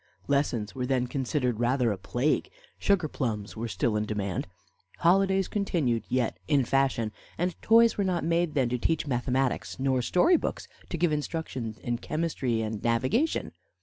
Lessons were then considered rather a plague, sugar plums were still in demand, holidays continued yet in fashion, and toys were not then made to teach mathematics, nor storybooks to give instruction in chemistry and navigation.